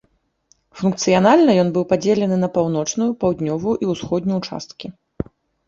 Функцыянальна ён быў падзелены на паўночную, паўднёвую і ўсходнюю часткі.